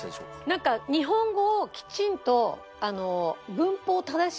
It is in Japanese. なんか日本語をきちんと。